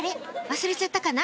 忘れちゃったかな？